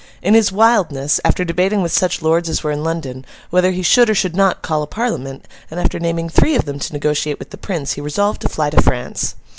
In his wildness, after debating with such lords as were in London, whether he should or should not call a Parliament, and after naming three of them to negotiate with the Prince, he resolved to fly to France.